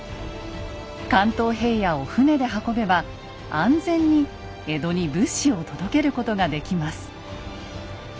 関東平野を船で運べば安全に江戸に物資を届けることができます。